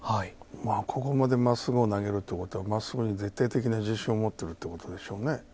ここまでまっすぐを投げるってことはまっすぐに絶対的な自信を持ってるということでしょうね。